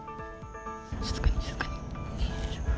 静かに、静かに。